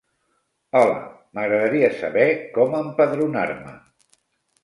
Hola, m'agradaria saber com empadronar-me.